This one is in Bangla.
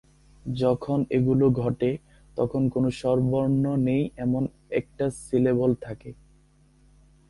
যখন এগুলো ঘটে, তখন কোনো স্বরবর্ণ নেই এমন একটা সিলেবল থাকে।